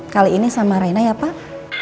kali ini sama raina ya pak